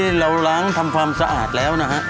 นี่เราล้างทำความสะอาดแล้วนะฮะ